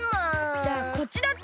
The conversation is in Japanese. じゃあこっちだって！